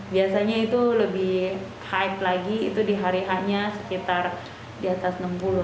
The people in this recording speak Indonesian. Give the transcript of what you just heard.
biasanya itu lebih hype lagi itu di hari hanya sekitar di atas enam puluh